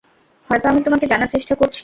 হয়তো আমি তোমাকে জানার চেষ্টা করছি।